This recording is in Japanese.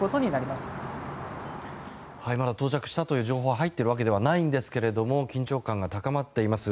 まだ到着したという情報は入っている訳ではないんですが緊張感が高まっています。